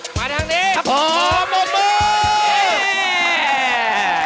เฮ่น้องช้างแต่ละเชือกเนี่ย